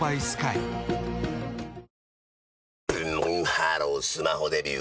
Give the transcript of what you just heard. ブンブンハロースマホデビュー！